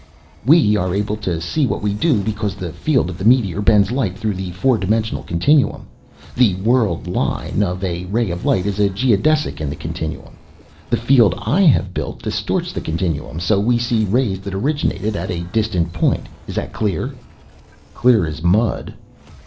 "We are able to see what we do because the field of the meteor bends light through the four dimensional continuum. The world line of a ray of light is a geodesic in the continuum. The field I have built distorts the continuum, so we see rays that originated at a distant point. Is that clear?" "Clear as mud!"